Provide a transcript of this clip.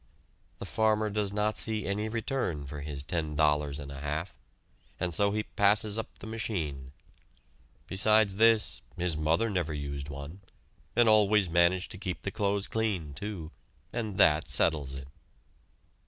The farmer does not see any return for his ten dollars and a half, and so he passes up the machine. Besides this, his mother never used one, and always managed to keep the clothes clean, too, and that settles it!